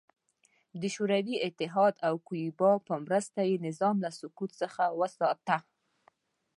د شوروي اتحاد او کیوبا په مرسته یې نظام له سقوط څخه وساته.